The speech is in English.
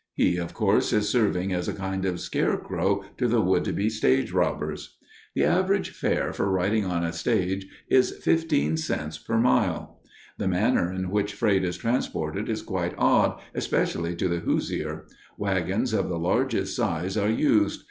He, of course, is serving as a kind of scarecrow to the would be stage robbers. The average fare for riding on a stage is 15 cents per mile. The manner in which freight is transported is quite odd, especially to a "Hoosier." Wagons of the largest size are used.